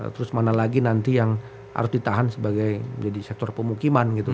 terus mana lagi nanti yang harus ditahan sebagai sektor pemukiman gitu